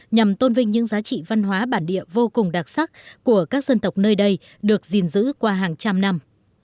nhằm tôn vinh những giá trị văn hóa bản địa vô cùng đặc sắc của các dân tộc nơi đây được gìn giữ qua hàng trăm năm